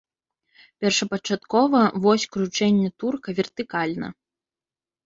Першапачаткова вось кручэння турка вертыкальна.